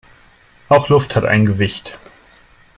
Auch Luft hat ein Gewicht.